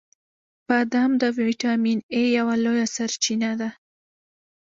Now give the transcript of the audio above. • بادام د ویټامین ای یوه لویه سرچینه ده.